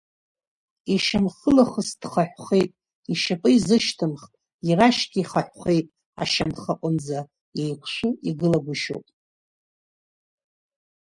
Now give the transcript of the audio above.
Ишьамхылахыс дхаҳәхеит, ишьапы изышьҭымхт, ирашьгьы хаҳәхеит ашьамхы аҟынӡа, еиқәшәы игылагәышьоуп.